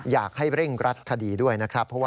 อยากให้เร่งรัดคดีด้วยนะครับ